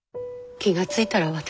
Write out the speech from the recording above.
気が付いたら私。